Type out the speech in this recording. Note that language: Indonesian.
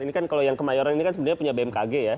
ini kan kalau yang kemayoran ini kan sebenarnya punya bmkg ya